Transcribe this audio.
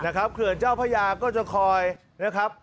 เขื่อนเจ้าพระยาก็จะคอยนะครับ